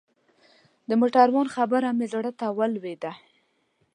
د موټروان خبره مې زړه ته ولوېده.